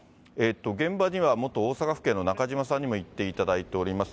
現場には元大阪府警の中島さんにも行っていただいております。